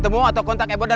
terima kasih atas simponya